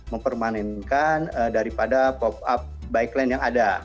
mempermanenkan daripada pop up bike lane yang ada